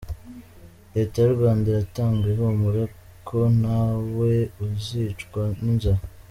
Leta y’u Rwanda iratanga ihumure ko ntawe uzicwa n’inzara